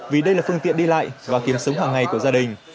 vì đây là phương tiện đi lại và kiếm sống hàng ngày của gia đình